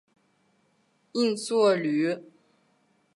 应作虬。